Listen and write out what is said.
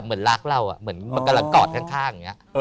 เหมือนรักเรามันกำลังกอดข้าง